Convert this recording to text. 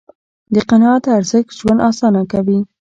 د قناعت ارزښت ژوند آسانه کوي.